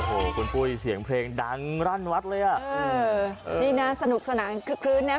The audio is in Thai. โอ้โหคุณปุ๊ยเสียงเพลงดังรั่นวัดเลยอ่ะเออดีน่ะสนุกสนานคือคืนเนี้ย